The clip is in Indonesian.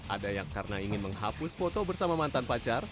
ada yang karena ingin menghapus foto bersama mantan pacar